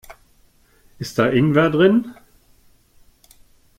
Ist da Ingwer drin?